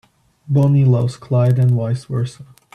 Bonnie loves Clyde and vice versa.